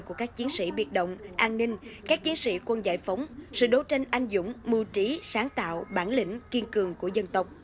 của các chiến sĩ biệt động an ninh các chiến sĩ quân giải phóng sự đấu tranh anh dũng mưu trí sáng tạo bản lĩnh kiên cường của dân tộc